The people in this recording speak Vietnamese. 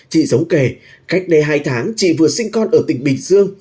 chị giống kể cách đây hai tháng chị vừa sinh con ở tỉnh bình dương